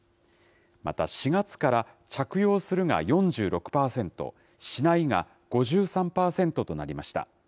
また４月から着用するが４６％、しないが５３％となりました。